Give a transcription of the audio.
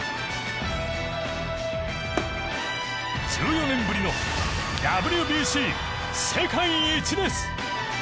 １４年ぶりのＷＢＣ世界一です。